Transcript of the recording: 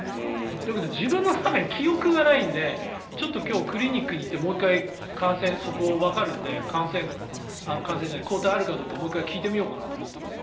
だけど自分の中に記憶がないので今日、クリニックに行ってもう１回、そこでわかるので抗体があるかどうかもう１回聞いてみようかなと思います。